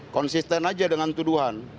konsisten aja dengan tuduhan